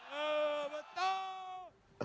menurun dari kakek ke cucu